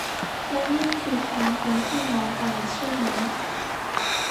และนี่คือความเป็นพี่น้องกัน ใช่มั้ย